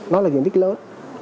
nó là diện tích lớn